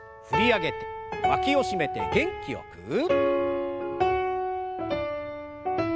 振り上げてわきを締めて元気よく。